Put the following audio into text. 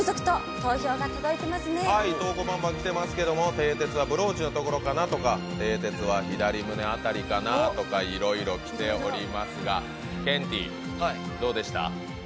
投稿きてますけどてい鉄はブローチのところかなとかてい鉄は左胸辺りかなとかいろいろきておりますがケンティー、どうでした？